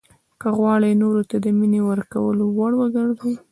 که غواړئ نورو ته د مینې ورکولو وړ وګرځئ.